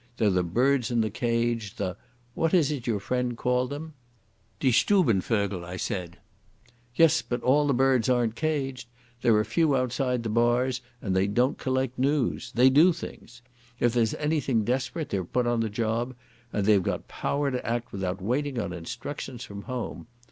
They're the birds in the cage, the—what is it your friend called them?" "Die Stubenvögel," I said. "Yes, but all the birds aren't caged. There's a few outside the bars and they don't collect noos. They do things. If there's anything desperate they're put on the job, and they've got power to act without waiting on instructions from home.